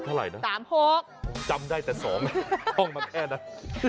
เท่าไหร่นะ๓๖จำได้แต่๒ห้องมันแค่นั้น